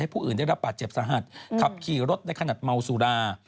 ผู้อื่นได้รับบาดเจ็บสาหัสขับขี่รถในขณะเมาสุรา